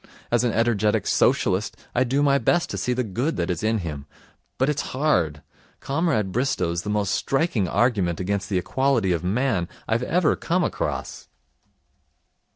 As an energetic Socialist, I do my best to see the good that is in him, but it's hard. Comrade Bristow's the most striking argument against the equality of man I've ever come across.'